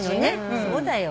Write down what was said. そうだよ。